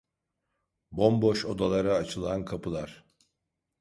Bomboş odalara açılan kapılar…